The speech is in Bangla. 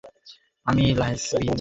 আমি লাঈছ বিন মোশানের অন্তরঙ্গ বন্ধু।